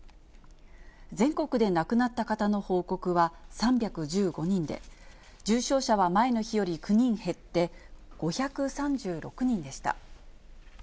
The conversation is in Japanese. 全国で亡くなった方の報告は３１５人で、重症者は前の日より９人減って５３６人でした。